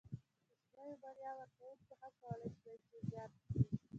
کوچنیو مالیه ورکوونکو هم کولای شوای چې زیان کړي.